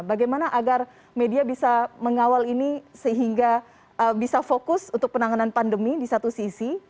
bagaimana agar media bisa mengawal ini sehingga bisa fokus untuk penanganan pandemi di satu sisi